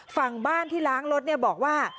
ฝั่งบ้านที่ล้างรถบอกว่า